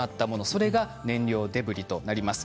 それが燃料デブリとなります。